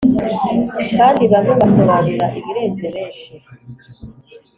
kandi bamwe basobanura ibirenze benshi,